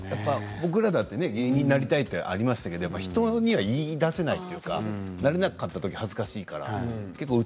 僕らも芸人になりたいというのはありましたけれども人には言いだせないというかなれないときに恥ずかしいから。